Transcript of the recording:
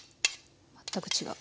全く違う。